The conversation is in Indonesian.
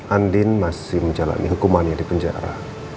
andin masih menjalani hukumannya di penjara